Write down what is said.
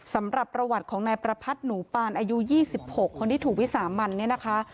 สำหรับประวัติของนายประพัทธ์หนูปานอายุ๒๖คนที่ถูกวิสามันเนี่ยนะคะ